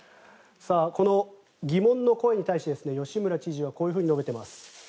この疑問の声に対して吉村知事はこういうふうに述べています。